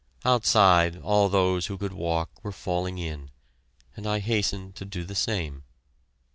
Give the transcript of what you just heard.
Outside, all those who could walk were falling in, and I hastened to do the same.